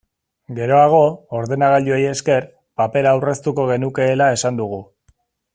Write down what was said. Geroago, ordenagailuei esker, papera aurreztuko genukeela esan dugu.